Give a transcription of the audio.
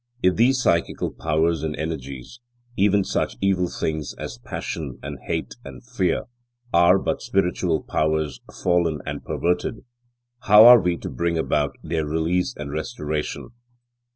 If these psychical powers and energies, even such evil things as passion and hate and fear, are but spiritual powers fallen and perverted, how are we to bring about their release and restoration?